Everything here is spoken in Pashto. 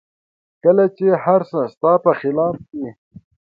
کله چې هر څه ستا په خلاف وي